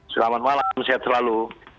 selamat malam sehat selalu